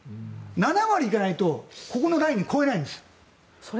７割行かないとここのラインを超えないんです。